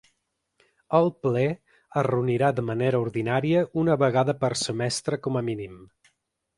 El ple es reunirà de manera ordinària una vegada per semestre com a mínim.